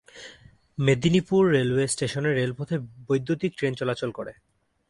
Medinipur railway স্টেশনের রেলপথে বৈদ্যুতীক ট্রেন চলাচল করে।